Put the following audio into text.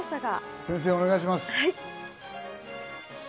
先生、お願いします。